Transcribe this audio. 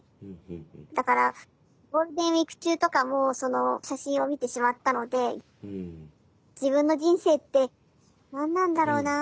だからゴールデンウイーク中とかもその写真を見てしまったので自分の人生って何なんだろうなあ。